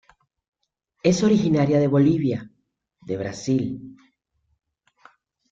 Es originaria de Bolivia de Brasil.